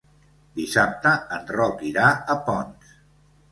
Dissabte en Roc irà a Ponts.